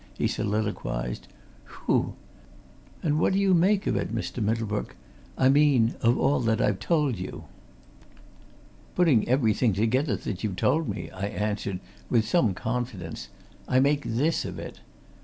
he soliloquised. "Whew! And what do you make of it, Mr. Middlebrook? I mean of all that I've told you?" "Putting everything together that you've told me," I answered, with some confidence, "I make this of it.